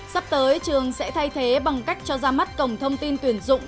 sắp tới trường sẽ thay thế bằng cách cho ra mắt cổng thông tin tuyển dụng